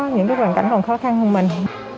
những cái hoàn cảnh còn khó khăn hơn mình